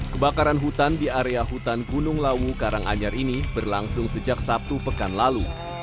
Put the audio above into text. kebakaran hutan di area hutan gunung lawu karanganyar ini berlangsung sejak sabtu pekan lalu